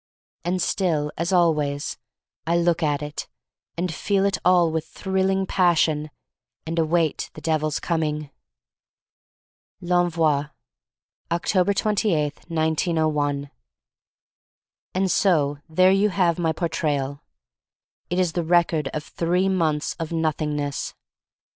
And still, as always, I look at it — and feel it all with thrilling passion — and await the Devil's coming. 319 l'envoi: // f ©Ctobet 28, 1901. AND so there you have my Por trayal. It is the record of three months of Nothingness.